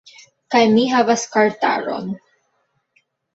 Kaj mi havas kartaron